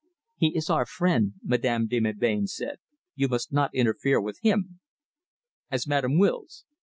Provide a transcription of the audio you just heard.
"He is our friend," Madame de Melbain said. "You must not interfere with him." "As Madame wills!